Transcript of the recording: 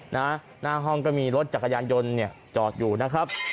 นะหน้าห้องก็มีรถจัดข่าย้ายนยนต์จอดอยู่ครับ